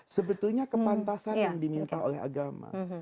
sebetulnya kepantasan yang diminta oleh agama